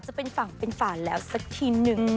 จะเป็นฝั่งเป็นฝ่านแล้วสักทีหนึ่ง